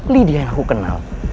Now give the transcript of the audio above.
lydia yang aku kenal